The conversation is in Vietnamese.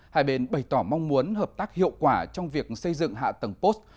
hai bên bày tỏ mong muốn hợp tác hiệu quả trong việc xây dựng hạ tầng post